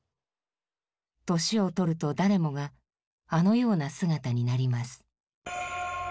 「年を取ると誰もがあのような姿になります」。